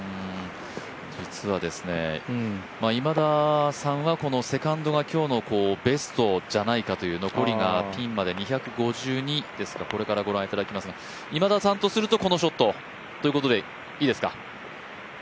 実は、今田さんはセカンドが今日のベストじゃないかという残りがピンまで２５２ですか、これからご覧いただきますが今田さんとするとこのショットということでいいですか？